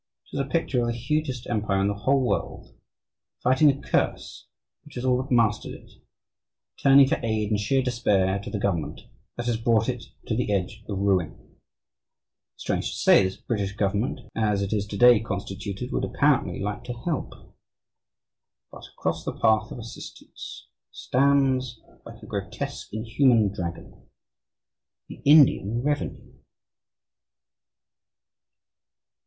It is a picture of the hugest empire in the whole world, fighting a curse which has all but mastered it, turning for aid, in sheer despair, to the government, that has brought it to the edge of ruin. Strange to say, this British government, as it is to day constituted, would apparently like to help. But, across the path of assistance stands, like a grotesque, inhuman dragon, the Indian Revenue.